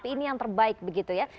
ini yang terbaik begitu ya